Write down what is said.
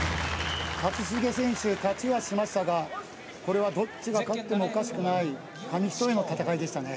一茂選手勝ちはしましたがこれはどっちが勝ってもおかしくない紙一重の戦いでしたね